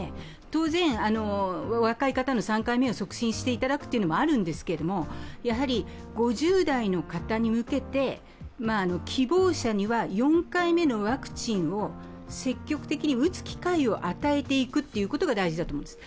当然、若い方の３回目を促進していただくというのもあるんですけどやはり５０代の方に向けて希望者には４回目のワクチンを積極的に打つ機会を与えることが大事だと思います。